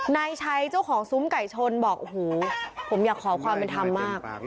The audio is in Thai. ไนถ้ายจ้องของซุ้มไก่ชนบอกเลยผมอยากขอความเป็นธรรมมาก